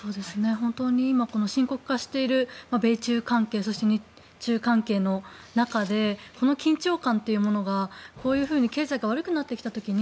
今、深刻化している米中関係、日中関係の中でこの緊張感というものがこういうふうに経済が悪くなってきた時に